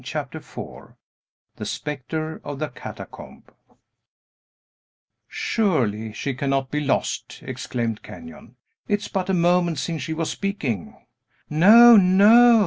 CHAPTER IV THE SPECTRE OF THE CATACOMB "Surely, she cannot be lost!" exclaimed Kenyon. "It is but a moment since she was speaking." "No, no!"